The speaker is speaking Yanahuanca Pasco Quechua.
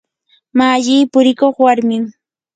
malli purikuq warmim.